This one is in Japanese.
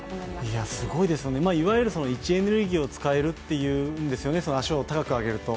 すごいですよね、いわゆる位置エネルギーを使えるというんですよね、その脚を高く上げると。